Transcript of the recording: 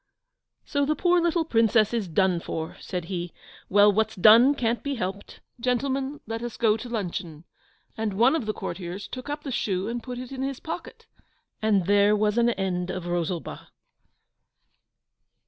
'So the poor little Princess is done for,' said he; 'well, what's done can't be helped. Gentlemen, let us go to luncheon!' And one of the courtiers took up the shoe and put it in his pocket. And there was an end of Rosalba!